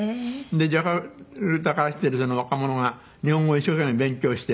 でジャカルタから来ているその若者が日本語一生懸命勉強して。